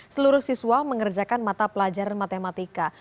seluruh siswa mengerjakan mata pelajaran matematika